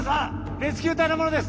レスキュー隊の者です